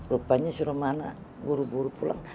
rupanya suruh mana buru buru pulang